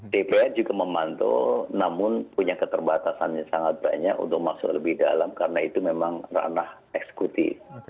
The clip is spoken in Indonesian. dpr juga memantau namun punya keterbatasan yang sangat banyak untuk masuk lebih dalam karena itu memang ranah eksekutif